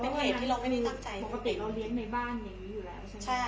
มันก็เป็นเหตุที่เราไม่มีตั้งใจสังเกต